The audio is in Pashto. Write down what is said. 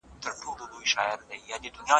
ما خو زولني په وینو سرې پکښي لیدلي دي